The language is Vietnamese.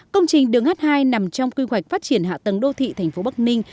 công trình đường h hai nằm trong quy hoạch phát triển hạ tầng đô thị thành phố bắc ninh